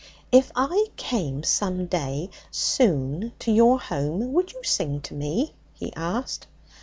'If I came some day soon to your home, would you sing to me?' he asked.